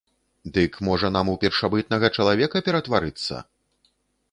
Дык, можа, нам у першабытнага чалавека ператварыцца?